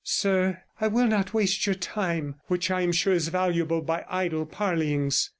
'Sir, I will not waste your time, which I am sure is valuable, by idle parleyings.